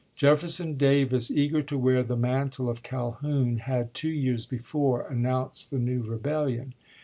Jefferson Davis, eager to wear the mantle of Calhoun, had two years before announced the new rebellion.